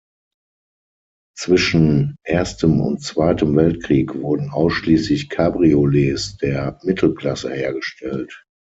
Zwischen Erstem und Zweitem Weltkrieg wurden ausschließlich Cabriolets der Mittelklasse hergestellt.